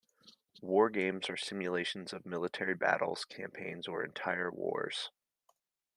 Wargames are simulations of military battles, campaigns or entire wars.